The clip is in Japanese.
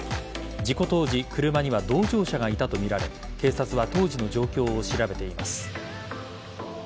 事故当時車には同乗者がいたとみられ警察は当時の状況を調べています。